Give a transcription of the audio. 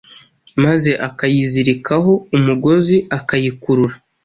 maze akayizirikaho umugozi akayikurura,